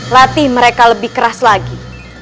latih mereka lebih keras lagi